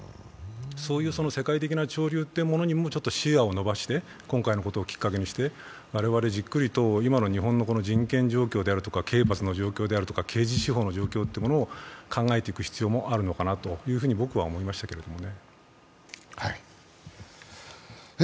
そういう世界的な潮流というものにも視野を伸ばして今回のことをきっかけにして我々じっくりと今の日本の人権状況であるとか刑罰の状況であるとか刑事司法の状況を考えていく必要もあるのかなと僕は思いましたけどね。